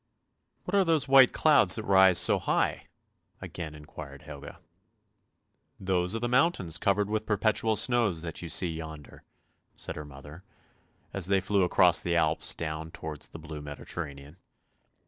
" What are those white clouds that rise so high? " again enquired Helga. 3 02 ANDERSEN'S FAIRY TALES " Those are mountains covered with perpetual snows that you see yonder," said her mother, as they flew across the Alps down towards the blue Mediterranean.